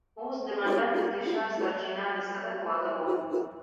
اوس د منډک د شر سرچينه د صدک واده و.